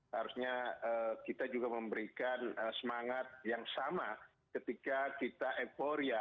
harusnya kita juga memberikan semangat yang sama ketika kita euforia